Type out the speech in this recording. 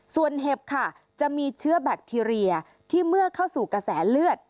ส่วนเห็บค่ะจะมีเชื้อแบคทีเรียที่เมื่อเข้าสู่กระแสเลือด